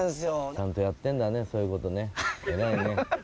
ちゃんとやってんだねそういうことね偉いね。